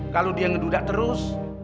kalau dia ngedudak terus